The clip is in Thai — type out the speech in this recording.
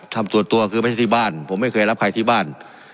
ทำส่วนตัวคือไม่ใช่ที่บ้านผมไม่เคยรับใครที่บ้าน